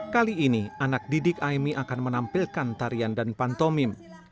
kali ini anak didik aimi akan menampilkan tarian dan pantomim